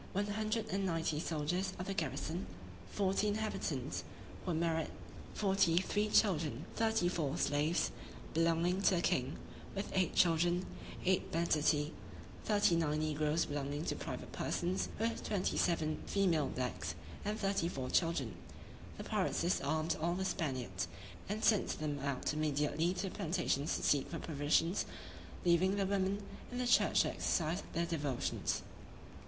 one hundred and ninety soldiers of the garrison; forty inhabitants, who were married: forty three children, thirty four slaves, belonging to the king; with eight children, eight banditti, thirty nine negroes belonging to private persons; with twenty seven female blacks, and thirty four children. The pirates disarmed all the Spaniards, and sent them out immediately to the plantations to seek for provisions, leaving the women in the church to exercise their devotions.